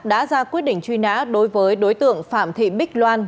đã ra quyết định truy nã đối với đối tượng phạm thị bích loan